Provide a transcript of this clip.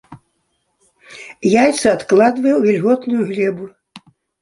Яйцы адкладвае ў вільготную глебу.